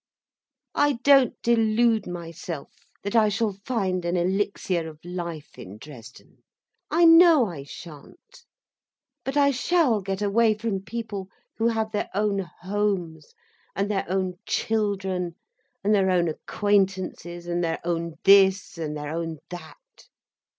I don't delude myself that I shall find an elixir of life in Dresden. I know I shan't. But I shall get away from people who have their own homes and their own children and their own acquaintances and their own this and their own that.